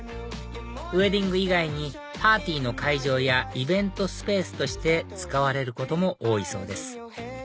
ウエディング以外にパーティーの会場やイベントスペースとして使われることも多いそうです